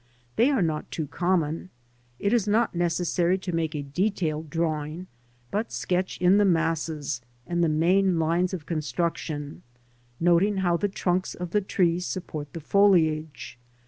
They are not too common. It is not necessary to make a detailed drawing, but sketch in the masses and the main lines of construction, noting how the trunks of the trees support the foliage.